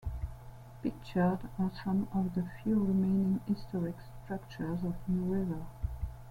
Pictured are some of the few remaining historic structures of New River.